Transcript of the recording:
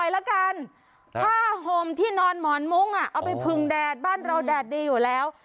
ลมที่นอนหมอนมุ้งอ่ะเอาไปพึงแดดบ้านเราแดดดีอยู่แล้ว